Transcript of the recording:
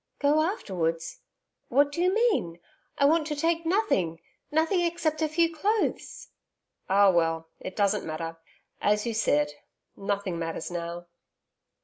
'Go afterwards What do you mean? I want to take nothing nothing except a few clothes.' 'Ah well it doesn't matter As you said nothing matters now....